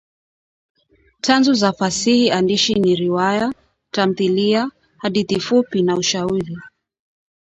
Tanzu za fasihi andishi ni riwaya, tamthilia, hadithi fupi na ushairi